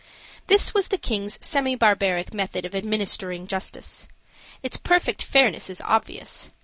This was the king's semi barbaric method of administering justice. Its perfect fairness is obvious.